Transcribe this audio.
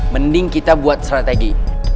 mending kita buat strategi